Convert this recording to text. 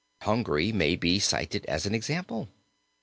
Hungary may be cited as an example.